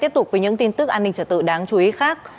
tiếp tục với những tin tức an ninh trở tự đáng chú ý khác